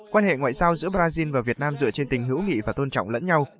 quan hệ ngoại giao giữa brazil và việt nam dựa trên tình hữu nghị và tôn trọng lẫn nhau